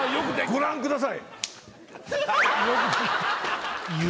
ご覧ください。